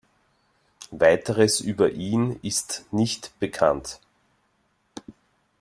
Weiteres über ihn ist nicht bekannt.